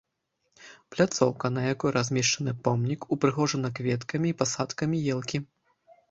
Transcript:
Пляцоўка, на якой размешчаны помнік, упрыгожана кветкамі і пасадкамі елкі.